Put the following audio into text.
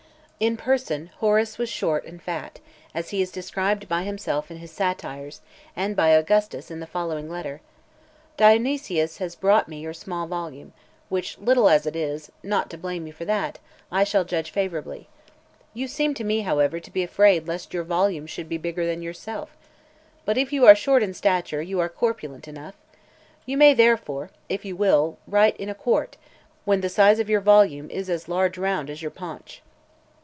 In person, Horace was short and fat, as he is described by himself in his Satires , and by Augustus in the following letter: "Dionysius has brought me your small volume, which, little as it is, not to blame you for that, I shall judge favourably. You seem to me, however, to be afraid lest your volumes should be bigger than yourself. But if you are short in stature, you are corpulent enough. You may, therefore, (543) if you will, write in a quart, when the size of your volume is as large round as your paunch."